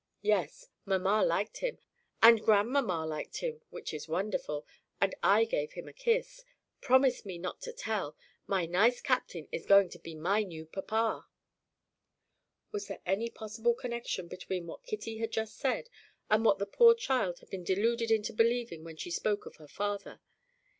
"Yes. Mamma liked him and grandmamma liked him (which is wonderful) and I gave him a kiss. Promise me not to tell! My nice Captain is going to be my new papa." Was there any possible connection between what Kitty had just said, and what the poor child had been deluded into believing when she spoke of her father?